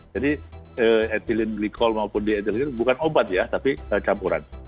jadi ethylene glycol maupun diethylene bukan obat ya tapi campuran